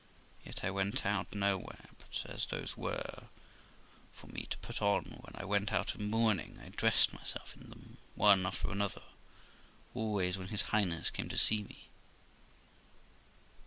Yet I went out nowhere; but as those were for me to put on when I went out of mourning, I dressed myself in them, one after another, always when his Highness came to see me.